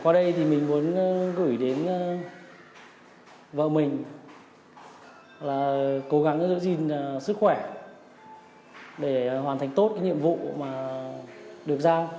qua đây thì mình muốn gửi đến vợ mình là cố gắng giữ gìn sức khỏe để hoàn thành tốt cái nhiệm vụ mà được giao